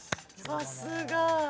さすが。